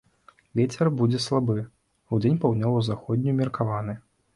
Вецер будзе слабы, удзень паўднёва-заходні, умеркаваны.